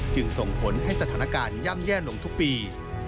จึงส่งผลให้สถานการณ์ย่ำแย่ลงทุกปี